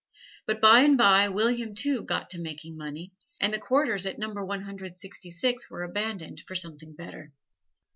But by and by William, too, got to making money, and the quarters at Number One Hundred Sixty six were abandoned for something better.